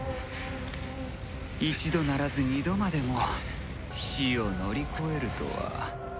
一度ならず二度までも死を乗り越えるとは。